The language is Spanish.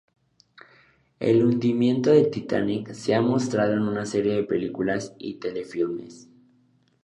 El hundimiento del "Titanic" se ha mostrado en una serie de películas y telefilmes.